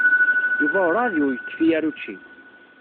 Yuba werɛad ur yekfi ara učči.